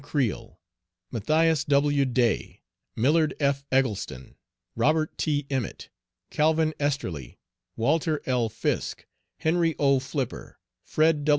Creel, Matthias W. Day, Millard F. Eggleston, Robert T. Emmet, Calvin Esterly, Walter L. Fisk, Henry O. Flipper, Fred.